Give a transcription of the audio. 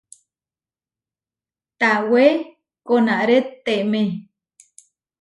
Tawé koʼnarétemé.